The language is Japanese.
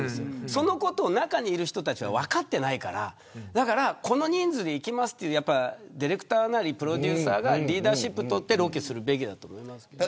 そのことを中にいる人たちは分かってないからこの人数で行きますってディレクターなりプロデューサーがリーダーシップとってロケするべきだと思いますけど。